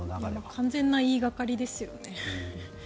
完全な言いがかりですよね。